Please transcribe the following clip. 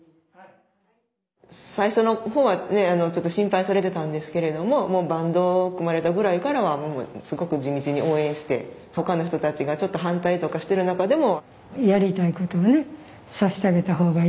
最初の方はねちょっと心配されてたんですけれどもバンドを組まれたぐらいからはもうすごく地道に応援して他の人たちがちょっと反対とかしてる中でも。